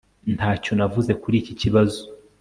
ntacyo navuze kuri iki kibazo